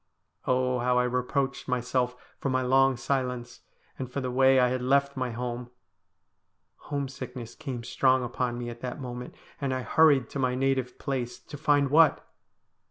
Oh, how I reproached myself for my long silence, and for the way I had left my home ! Home sickness came strong upon me at that moment, and I hurried to my native place, to find what